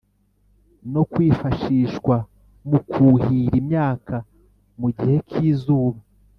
no kwifashishwa mu kuhira imyaka mu gihe k’izuba